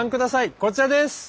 こちらです。